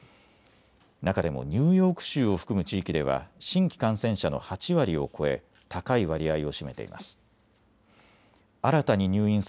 中でもニューヨーク州を含む地域では新規感染者の８割を超え高い割合を占めています。